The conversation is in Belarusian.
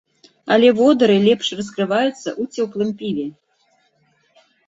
Але водары лепш раскрываюцца ў цёплым піве.